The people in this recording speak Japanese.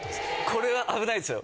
これは危ないですよ。